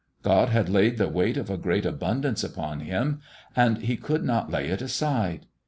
God had laid the weight of a great abundance upon him, and he could not lay it aside.